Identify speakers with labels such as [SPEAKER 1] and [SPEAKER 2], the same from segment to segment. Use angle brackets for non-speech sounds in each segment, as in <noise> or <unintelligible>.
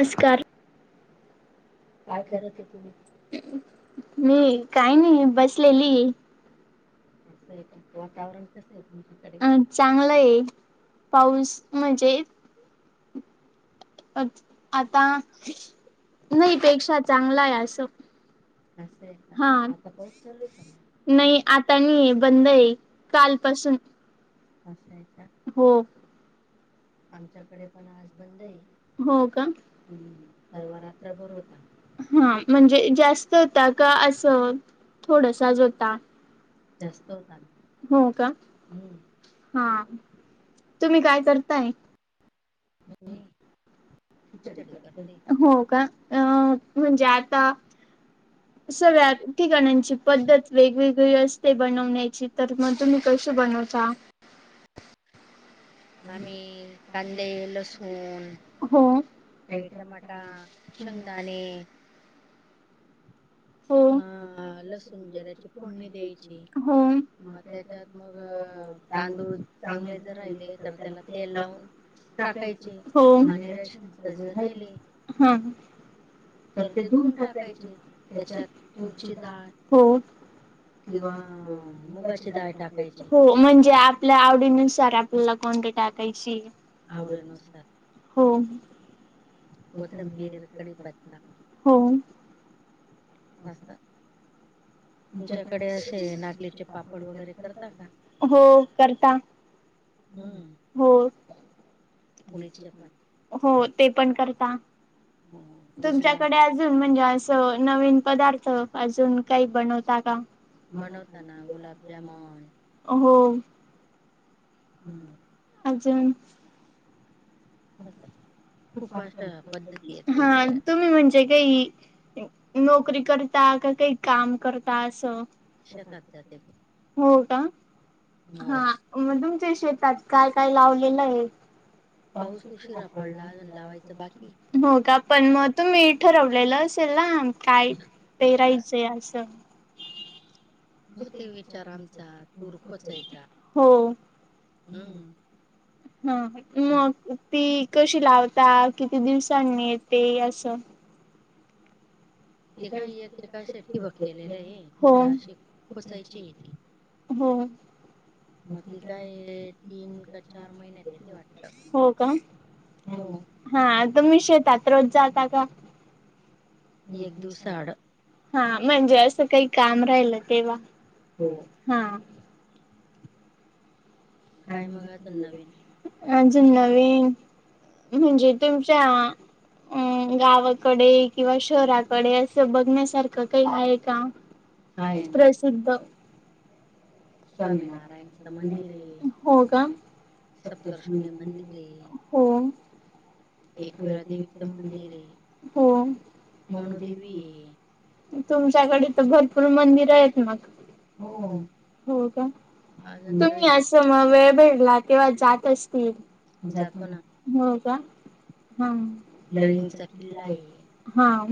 [SPEAKER 1] नमस्कार काय मी काही नाही बसलेली <inaudible> चांगलं ये पाऊस म्हणजे आता नाही पेक्षा चांगलं आहे असं हा नाही आता नाही आहे बंद आहे कालपसून हो हो का हा म्हणजे जास्त होता का असं थोडसाच होता हो का हा तुम्ही काय करता
[SPEAKER 2] <inaudible>
[SPEAKER 1] हो का म्हणजे आता सगळ्याच ठिकाणांची पद्धत वेगवेगळी असते बनवण्याची तर मग तुम्ही कशी बनवता हो आणि काय म्हणता?
[SPEAKER 2] अ लसूण जीऱ्याची फोडणी द्यायची त्याच्यात मग तांदूळ चांगले जर राहिले तर त्याला तेल लावून टाकायचे आणि रेशात जर राहिले तर ते धुन टाकायचे.
[SPEAKER 1] हो. किंवा मुगाची टाकायची हो म्हणजे आपल्या आवडीनुसार आपल्याला कोणत टाकायची हो. हो!
[SPEAKER 2] <unintelligible> तुमच्याकडे असे नागलीचे पापड वगैरे करता का? हम्म!
[SPEAKER 1] हो हो ते पण करता तुमच्याकडे अजून म्हणजे अस नवीन पदार्थ अजून काही बनव ता का
[SPEAKER 2] बनवताना गुलाबजामुन?
[SPEAKER 1] हो!
[SPEAKER 2] हम्म!
[SPEAKER 1] अजुन हा तुम्ही म्हणजे जे काही नोकरी करता का काही काम करता असं?
[SPEAKER 2] शेतात जाते.
[SPEAKER 1] हो का, हा मग तुमच्या शेतात काय काय लावलेलं आहे?
[SPEAKER 2] पाऊस उशीर पडला अजून लावायचं बाकीये!
[SPEAKER 1] हो का पण मग तुम्ही ठरवलेलं असेल ना! काय पेरायचंय असं?
[SPEAKER 2] विचारांचा तुरपचायचा हम्म!
[SPEAKER 1] हां, मग ती कशी लावता किती दिवसांनी येते असं? हो! हो!
[SPEAKER 2] मग ती काय तीन का चार महिन्यात येते वाटत. हो!
[SPEAKER 1] हा तुम्ही शेतात रोज जाता का? हा, म्हणजे असं काही काम राहिल तेव्हा हा! अजून नवीन म्हणजे तुमच्या अ गावाकडे किंवा शहरा कडे असं बघण्यासारखं काही आहे का प्रसिद्ध?
[SPEAKER 2] स्वामीनारायणाचं मंदिर आहे.
[SPEAKER 1] हो का हो! एकवीर देवीच मंदिर आहे, हो! तुमच्याकडे तर भरपूर मंदिर आहेत मग! हो का तुम्ही आज किंवा वेळ भेडला तेव्हा जात असतील? जाते ना, हो का हा! हा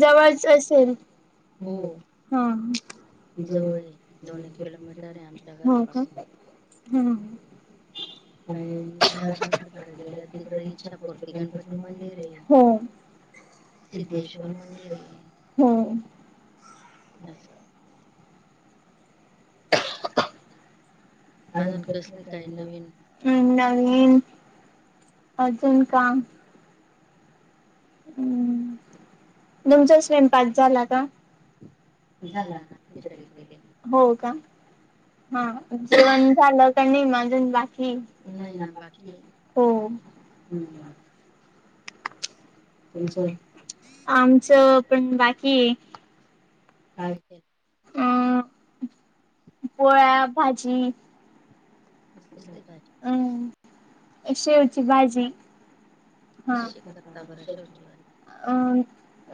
[SPEAKER 1] जवळच असेल हां.
[SPEAKER 2] जवळये दोन एक किलोमीटर आहे आमच्या घरापासून.
[SPEAKER 1] हम्म! हो! हम्म!
[SPEAKER 2] <inaudible> अजून कसले काई नवीन?
[SPEAKER 1] हम नवीन अजुन काम हमं. तुमच स्वयंपाक झाला का? झाला ना <inaudible> हो का? हा जेवण झालं का नई मंग अजून बाकी नई ना बाकीये. हो. हम. <inaudible> आमचं पण बाकीये.
[SPEAKER 2] काय ते?
[SPEAKER 1] पोळ्या, भाजी
[SPEAKER 2] कसली भाजी?
[SPEAKER 1] शेवची भाजी. हा. <inaudible> अं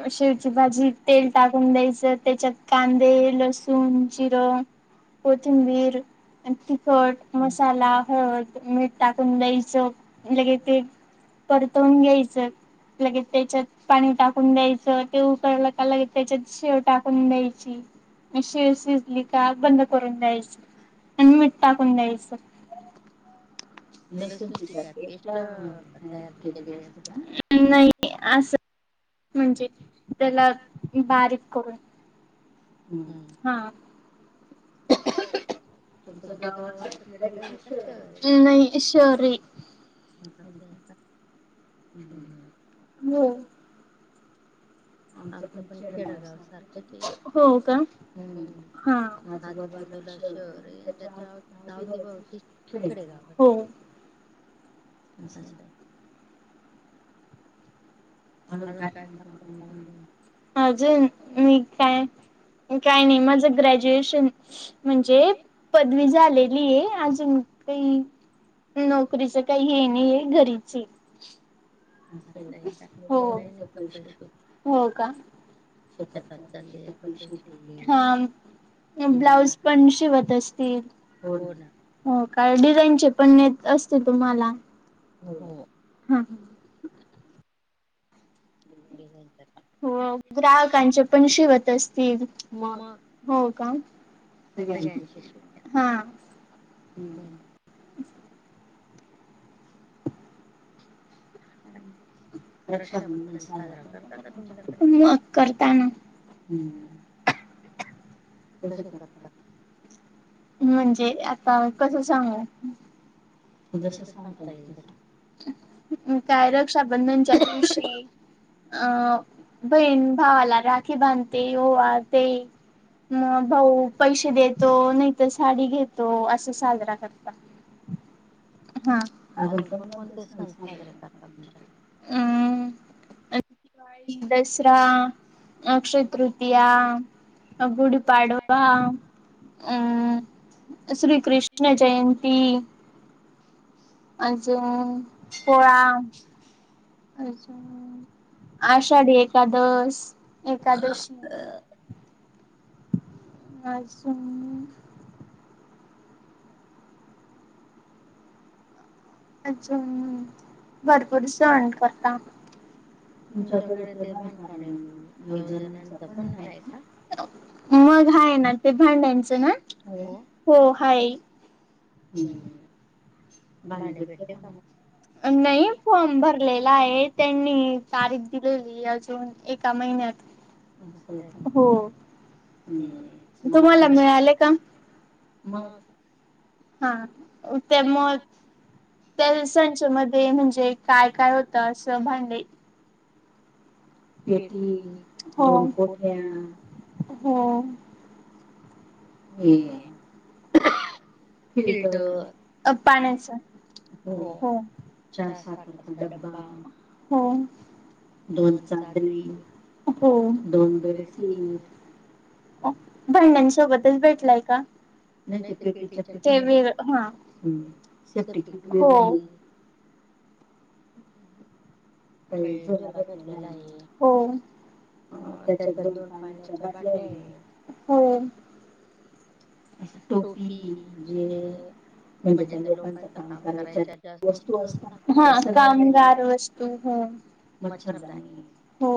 [SPEAKER 1] अं शेवची भाजी तेल टाकून द्यायचं त्याच्यात कांदे, लसूण, जिरं कोथिंबीर, अन तिखट, मसाला, हळद, मिठ, टाकून द्यायच. लगे ते परतवून घ्यायचं, लगे त्याच्यात पाणी टाकून द्यायचं, ते उकळलं का लगे त्याच्यात शेव टाकून द्यायची. अन शेव शिजली का बंद करून द्यायची. अन मिट टाकून द्यायच. लसूून <unintelligible> नई असं म्हणजे त्याला बारीक करून. हम. हा.
[SPEAKER 2] तुमचं गाव असं खेडय का शहरये? असय का?
[SPEAKER 1] हो. <inaudible> हो का? हम. हा.
[SPEAKER 2] आजूबाजूला शहरये आन त्याच्या आवती भवती खेडेगाव ह
[SPEAKER 1] असं आहे.
[SPEAKER 2] अजून काय <unintelligible>
[SPEAKER 1] अजून मी उम काय उम काय नई माझ ग्रॅज्युएशन म्हणजे पदवी झालेलिए अजून उम नोकरीच काही हे नाहीए घरीचए.
[SPEAKER 2] अस हाय का?
[SPEAKER 1] हो. हो का? <inaudible> हा उम. ब्लाउज पण शिवत असतिल? हो ना. डिझाईन चे <unintelligible>
[SPEAKER 2] डिझाईनच पण
[SPEAKER 1] हो ग्राहकांचे पण शिवत असतील? मग. हो का? <unintelligible> हा. हम.
[SPEAKER 2] रक्षाबंधन साजरा करता का तुमच्याकडे? हम्म. कसे करता?
[SPEAKER 1] म्हणजे आता कसं सांगू?
[SPEAKER 2] जस सांगता येईल तसं
[SPEAKER 1] काय रक्षाबंधनच्या दिवशी आ बहीण भावाला रा खी बांधते, ओवाळते म भाऊ पैसे देतो. नई त साडी घेतो. अस साजरा करता. हा.
[SPEAKER 2] अजून कोणकोणते सण साजरे करता तुमच्याकडे?
[SPEAKER 1] हम्. दसरा, अक्षय तृतीया गुडीपाडवा, अम् श्रीकृष्ण जयंती, अजून पोळा अजून, आषाढी एक एकादश एकादशीज, अच्छा भरपूर सण करता.
[SPEAKER 2] तुमच्याकडे ते बाणकारे योजनांचं पण आहे का?
[SPEAKER 1] मगा आहे ना! ते भांड्यांचं ना हो हाय.
[SPEAKER 2] भांडे भेटले का म?
[SPEAKER 1] नाही फॉर्म भरलेला आहे त्यांनी तारीख दिलेली अजून एका महिन्यात
[SPEAKER 2] <unintelligible>
[SPEAKER 1] हो तुम्हाला मिळाले का? <unintelligible> हा त्या म त्या दिसांच्या मध्ये म्हणजे काय काय होतं असं भांडी. <unintelligible>
[SPEAKER 2] ह.
[SPEAKER 1] फिल्टर पाण्याचा! हो हो चा साखरेचा डब्बा. दोन चादरी हो दोन बेडशीट. भेटेल का हो झुला भटलेला नाही हो अ त्याच्यात दोन पाण्याच्या बाटल्या
[SPEAKER 2] तो ह जे म्हणजे त्या लोकांच काम करायच्या ज्या वस्तू असतात त्या सगळ्या भेटल्या मच्छरदनी
[SPEAKER 1] हो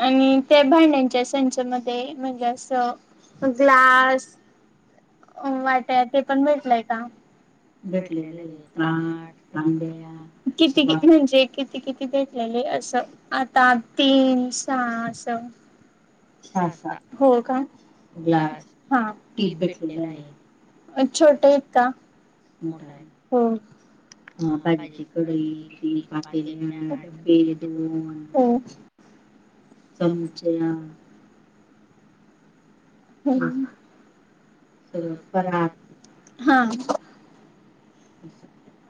[SPEAKER 1] आणि त्या भांड्यांच्या संच मध्ये म्हणजे अस ग्लास वाट्या ते पण भेटलय का भेटलेले किती किती म्हणजे किती किती असं आता तीन सहा अस हा हो का ग्लास हा टीप भेटलेली आहे अ छोट आहेत का हो हा भाजीची कडई इ पटेल्या डबबे दो हो सम हा <unintelligible>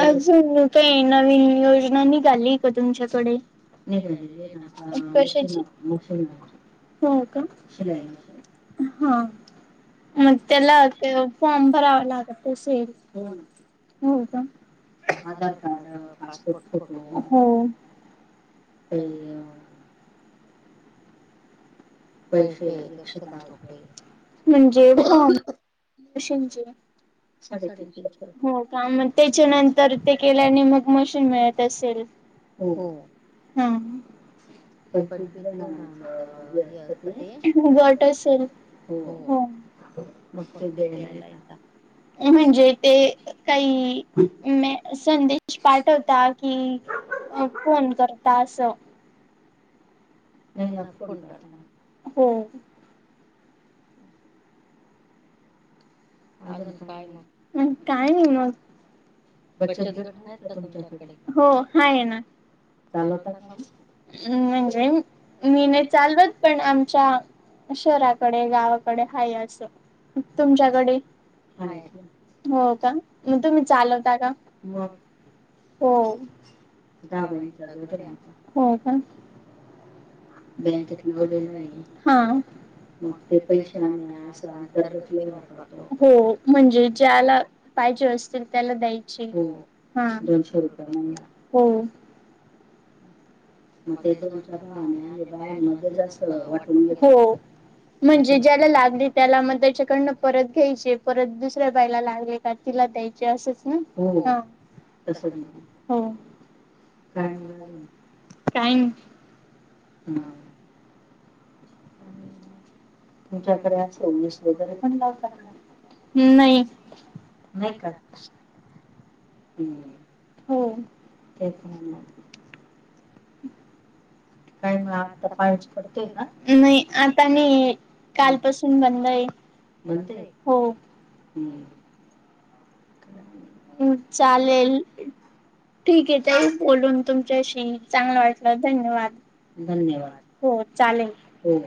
[SPEAKER 1] अजून काही नवीन योजना निघाली का तुमच्याकडे? कशाची हो का हा मग त्याला फॉर्म भरावा लागत असेल हो आधार कार्ड पासपोर्ट फोटो हो
[SPEAKER 2] अ
[SPEAKER 1] म्हणजे सा हो का त्याच्यानंतर ते केल्याने मग मशीन मिळत असेल हा गट असल हो हो मग ते द्यायला येता. म्हणजे ते काही मे संदेश पाठवता की अ फोन करता असं.
[SPEAKER 2] नाही ना फोन करताना.
[SPEAKER 1] हो. अजून सांगना मग काय नाही मग. बचत गट हाय का तुमच्याकडे हो हा आहे ना. चालवता का? म्हणजे मी नाही चालवत. पण आमच्या शहराकडे गावाकडे हाय असं तुमच्याकडे <unintelligible> हो का मग तुम्ही चालता आला मग हो <unintelligible> हो का? बँकेत लावलेलाय. हा. मग ते पैशे आम्ही अस अंतर्गत लई वापरतो हो. म्हणजे ज्याला पाहिजे असतील त्याला द्याय चे हो. हा. दोनशे रुपये महिना. हो. मग ते दोन चार गवाने आणि बायामध्ये जास वाटून घेतो. हो. म्हणजे ज्याला लागली त्याला मग त्याच्याकडनं परत घ्यायचे परत दुसऱ्या बाईला लागले का तिला द्यायचे असंच हुं हो हा हो तसच हो <unintelligible> काय म - हम. तुमच्याकडे असं <unintelligible> वगैरे पण लावता का? ह् नाही नाही का हम् हो तेच म्हणलं. काय म आता पाज पडतय का नाही आता नइयय. कालपासून बंद आहे बंदय हो.
[SPEAKER 2] <unintelligible>
[SPEAKER 1] हम् चालेल. ठीक आहे त्या बोलून तुमच्याशी चांगलं वाटलं धन्यवाद. धन्यवाद. हो चालेल. हो.